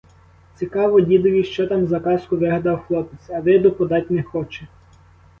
Цікаво дідові, що там за казку вигадав хлопець, а виду подать не хоче.